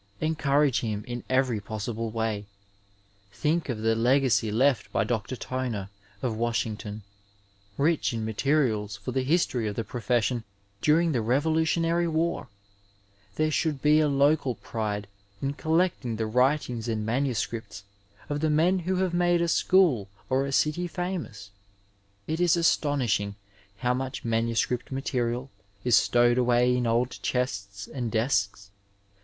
Encourage him in every possible way. Think of the legacy left by Dr. Toner, of Washington, rich in materials for the history of the profession during the Revolutionary War ! There should be a local pride in collecting the writings and manuscripts of the men who have made a school or a city famous. It is astonishing how much manuscript material is stowed away m old chests and desks.